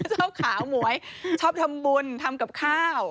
ใช่ชอบขาวโหมยชอบทำบุญทำกับข้าว